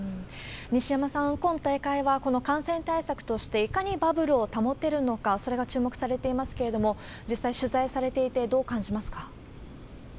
西山さん、今大会はこの感染対策として、いかにバブルを保てるのか、それが注目されていますけれども、実際、取材されていてどう感じますか？